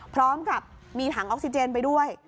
พร้อมกับมีถังออกซิเจนไปด้วย